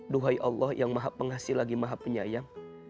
duhai allah yang maha pengasih lagi maha penyayang